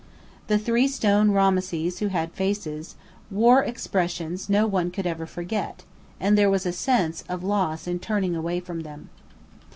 The three stone Rameses who had faces, wore expressions no one could ever forget; and there was a sense of loss in turning away from them.